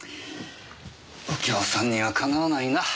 右京さんにはかなわないな。